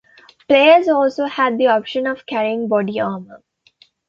Players also had the option of carrying body armor.